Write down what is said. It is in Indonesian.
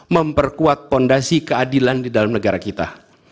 memperkuat fondasi keadilan di dalam negara kita